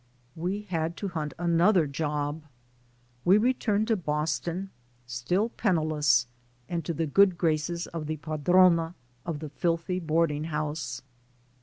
We had to hunt another job. We returned to IN THE AMERICAN STORM 83 Boston still penniless and to the good graces of the "padrona" of the filthy boarding house.